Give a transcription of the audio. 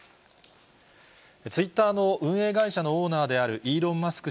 ツイッターの運営会社のオーナーであるイーロン・マスク